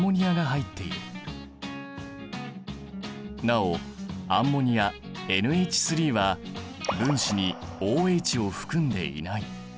なおアンモニアＮＨは分子にＯＨを含んでいない。